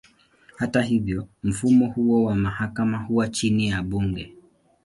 Hata hivyo, mfumo huo wa mahakama huwa chini ya bunge.